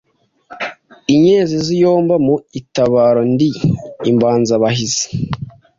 Inkezi ziyomba mu itabaro ndi imbanzabahizi